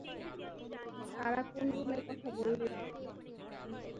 তারা কোন রুমের কথা বলেছে?